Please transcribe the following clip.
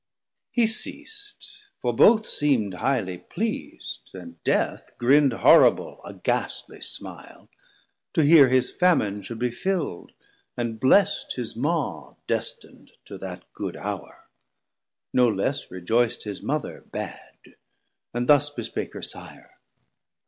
He ceas'd, for both seemd highly pleasd, and Death Grinnd horrible a gastly smile, to hear His famine should be fill'd, and blest his mawe Destin'd to that good hour: no less rejoyc'd His mother bad, and thus bespake her Sire.